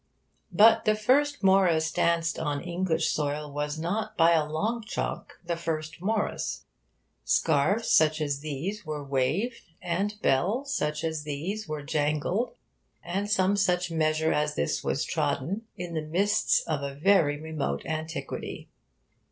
But the first Morris danced on English soil was not, by a long chalk, the first Morris. Scarves such as these were waved, and bells such as these were jangled, and some such measure as this was trodden, in the mists of a very remote antiquity.